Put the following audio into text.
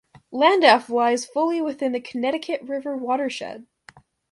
Landaff lies fully within the Connecticut River watershed.